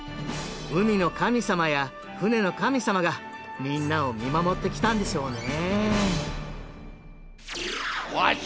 海の神様や船の神様がみんなを見守ってきたんでしょうね。